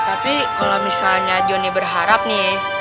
tapi kalo misalnya jonny berharap nih